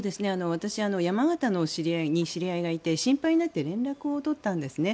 私、山形に知り合いがいて心配になって連絡を取ったんですね。